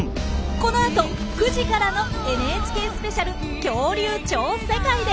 この後９時からの「ＮＨＫスペシャル恐竜超世界」で！